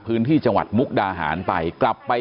พื้นที่จังหวัดมุกดาหารไป